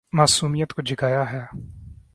معصومیت کو جگایا ہے